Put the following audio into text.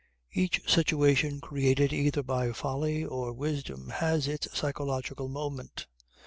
Each situation created either by folly or wisdom has its psychological moment.